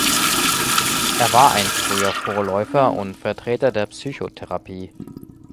Er war ein früher Vorläufer und Vertreter der Psychotherapie.